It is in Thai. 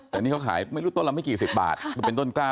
แต่นี่เขาขายไม่รู้ต้นละไม่กี่สิบบาทคือเป็นต้นกล้า